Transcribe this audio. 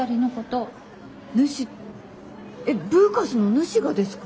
えっブーカスのヌシがですか？